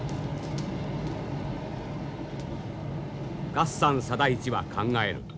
月山貞一は考える。